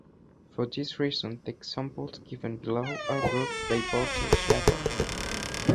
For this reason the examples given below are grouped by voltage level.